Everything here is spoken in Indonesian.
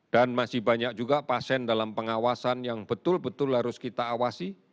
dan masih banyak juga pasien dalam pengawasan yang betul betul harus kita awasi